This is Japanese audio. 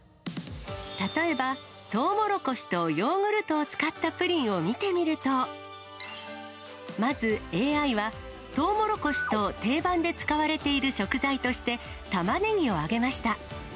例えば、とうもろこしとヨーグルトを使ったプリンを見てみると、まずＡＩは、とうもろこしと定番で使われている食材として、たまねぎを挙げました。